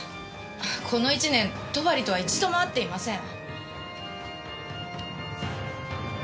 この１年戸張とは一度も会っていません。